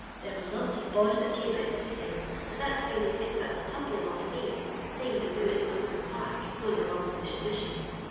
There was lots of boys that oame out sweeping, and that's how they picked up the tumbling off me, seeing me do it up in the Park, going along to the Shibition.